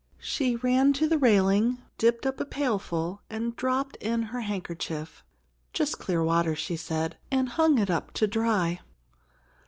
She ran to the railing, dipped up a pailful and dropped in her handkerchief. "Just clear water," she said; and hung it up to dry.